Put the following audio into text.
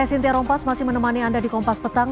sintia rompas masih menemani anda di kompas petang